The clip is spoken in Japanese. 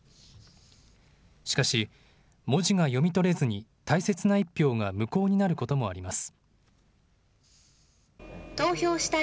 しかし、文字が読み取れずに大切な１票が無効になることもあります。